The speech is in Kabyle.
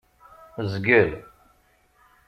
Zgel.